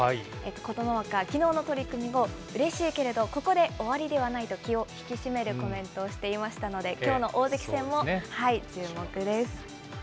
琴ノ若、きのうの取組後、うれしいけれど、ここで終わりではないと、気を引き締めるコメントをしていましたので、きょうの大関戦も注目です。